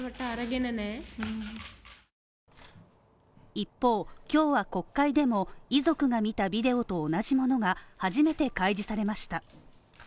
一方、今日は国会でも遺族が見たビデオと同じものが初めて開示されました。